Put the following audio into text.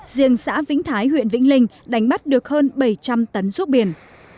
riêng xã vĩnh thái huyện vĩnh linh đánh bắt được hơn bảy trăm linh tấn ruốc biển